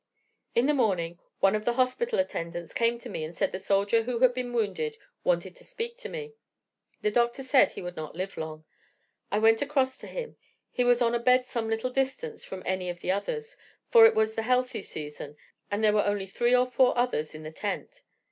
"In the morning one of the hospital attendants came to me and said the soldier who had been wounded wanted to speak to me. The doctor said he would not live long. I went across to him. He was on a bed some little distance from any of the others, for it was the healthy season, and there were only three or four others in the tent.